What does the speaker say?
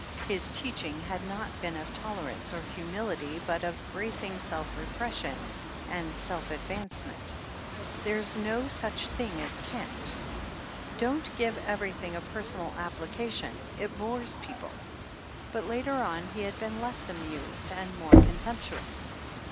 His teaching had not been of tolerance or humility, but of bracing self repression and self advancement: "There's no such thing as can't." "Don't give everything a personal 4i8 THE HEEL OF ACHILLES application — it bores other people." But, later on, he had been less amused and more contemptuous.